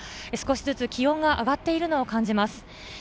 少しずつ気温が上がっているのを感じます。